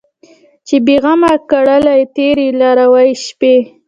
چې بې غمه کړلې تېرې لاروي شپې